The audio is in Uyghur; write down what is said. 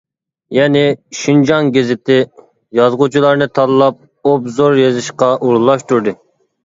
يەنى «شىنجاڭ گېزىتى» يازغۇچىلارنى تاللاپ ئوبزور يېزىشقا ئورۇنلاشتۇردى.